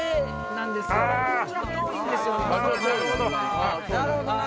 なるほどな。